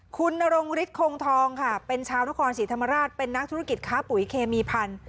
คุณนรงฤทธิคงทองค่ะเป็นชาวนครศรีธรรมราชเป็นนักธุรกิจค้าปุ๋ยเคมีพันธุ